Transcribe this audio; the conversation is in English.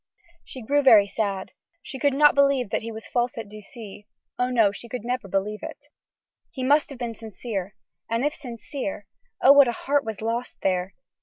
She grew very sad. She could not believe that he was false at Ducie; oh, no! she never could believe it! He must have been sincere, and if sincere, oh! what a heart was lost there!